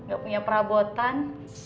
gak punya perabotan